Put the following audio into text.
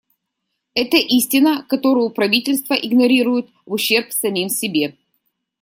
Это истина, которую правительства игнорируют в ущерб самим себе.